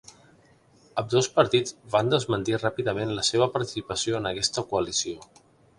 Ambdós partits van desmentir ràpidament la seva participació en aquesta coalició.